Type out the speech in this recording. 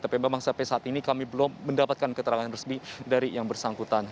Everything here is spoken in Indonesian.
tapi memang sampai saat ini kami belum mendapatkan keterangan resmi dari yang bersangkutan